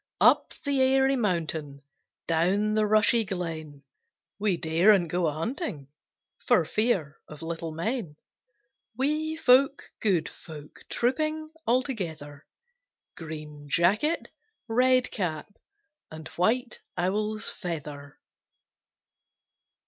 Up the airy mountain, Down the rushy glen, We daren't go a hunting For fear of little men; Wee folk, good folk, Trooping all together; Green jacket, red cap, And white owl's feather!